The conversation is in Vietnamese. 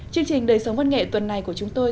chương trình đời sống văn nghệ tuần này của chúng tôi